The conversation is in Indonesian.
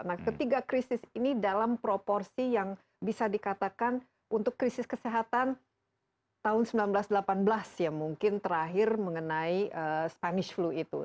nah ketiga krisis ini dalam proporsi yang bisa dikatakan untuk krisis kesehatan tahun seribu sembilan ratus delapan belas ya mungkin terakhir mengenai spanish flu itu